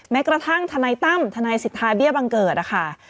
แม้กระทั่งทนายตั้มทนายสิทธาเบี้ยบังเกิดนะคะ